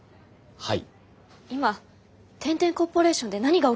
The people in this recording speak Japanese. はい。